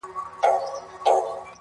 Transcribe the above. o خر د خنکيانې په خوند څه پوهېږي٫